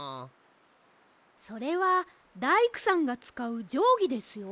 それはだいくさんがつかうじょうぎですよ。